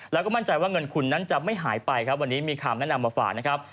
แล้วก็มั่นใจว่าเงินคุณนั้นจะไม่หายไปครับวันนี้มีคำแนะนำมาฝากนะครับ